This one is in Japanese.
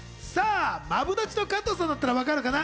マブダチの加藤さんだったらわかるかな？